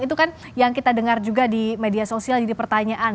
itu kan yang kita dengar juga di media sosial jadi pertanyaan